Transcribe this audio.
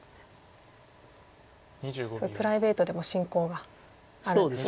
すごいプライベートでも親交があるんですね。